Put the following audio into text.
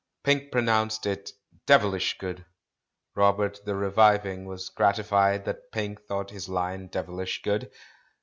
Pink pronounced it "devilish good." Robert the Reviving was gratified that Pink thought his line "devilish good."